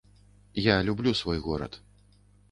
Я люблю свой горад.